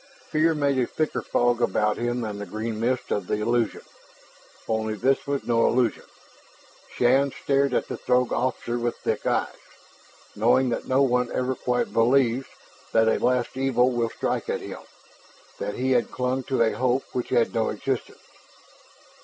Fear made a thicker fog about him than the green mist of the illusion. Only this was no illusion. Shann stared at the Throg officer with sick eyes, knowing that no one ever quite believes that a last evil will strike at him, that he had clung to a hope which had no existence.